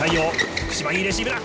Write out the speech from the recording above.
福島いいレシーブだ。